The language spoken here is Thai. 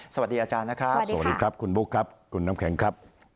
สวัสดีอาจารย์นะครับ